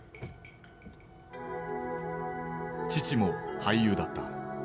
父も俳優だった。